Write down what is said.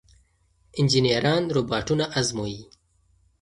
انجنیران روباټونه ازمويي.